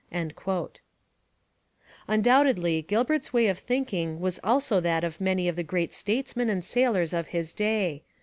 Undoubtedly Gilbert's way of thinking was also that of many of the great statesmen and sailors of his day.